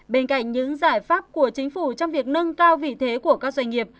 bên cạnh những giải pháp của chính phủ trong việc nâng cao vị thế của các doanh nghiệp